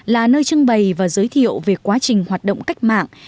là nơi trưng bày và giới thiệu về quá trình hoạt động cách mạng